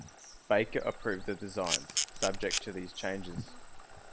Baker approved the designs, subject to these changes.